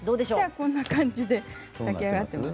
こんな感じに炊き上がっています。